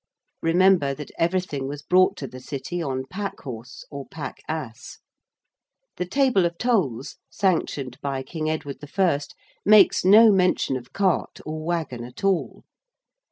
Remember that everything was brought to the City on pack horse or pack ass. The table of Tolls sanctioned by King Edward I. makes no mention of cart or waggon at all.